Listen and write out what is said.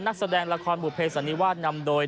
นักแสดงละครบูเพสอันนี้ว่านำโดย